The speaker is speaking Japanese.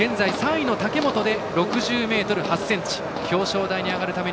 ３位の武本で６０ｍ８４ｃｍ。